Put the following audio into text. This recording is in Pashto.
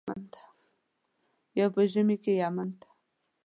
یو په ژمي کې یمن ته.